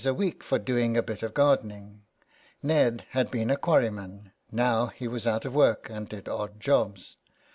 a week for doing a bit of gardening. Ned had been a quarry man 69 SOME PARISHIONERS now he was out of work and did odd jobs.